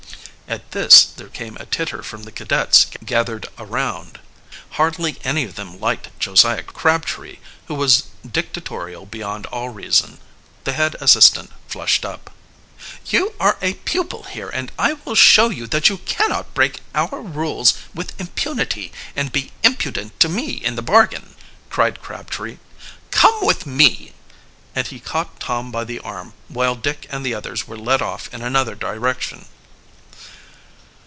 At this there came a titter from the cadets gathered around. Hardly any of them liked Josiah Crabtree, who was dictatorial beyond all reason. The head assistant flushed up. "You are a pupil here, and I will show you that you cannot break our rules with impunity, and be impudent to me in the bargain!" cried Crabtree. "Come with me!" And he caught Tom by the arm, while Dick and the others were led off in another direction.